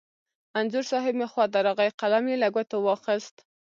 انځور صاحب مې خوا ته راغی، قلم یې له ګوتو واخست.